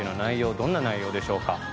どんな内容でしょうか？